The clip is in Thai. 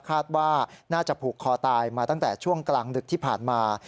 คาดว่าน่าจะผูกคอตายมาตั้งแต่ช่วงกลางดึกที่ผ่านมา